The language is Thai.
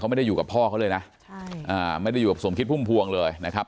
ไม่ได้อยู่กับพ่อเขาเลยนะใช่อ่าไม่ได้อยู่กับสมคิดพุ่มพวงเลยนะครับ